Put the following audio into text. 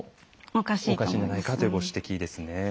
おかしいんじゃないかとご指摘ですね。